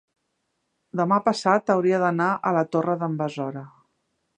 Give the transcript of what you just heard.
Demà passat hauria d'anar a la Torre d'en Besora.